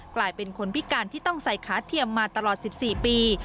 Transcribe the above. กลายเป็นคนพิการที่ต้องใส่ขาเทียมมาตลอด๑๔ปี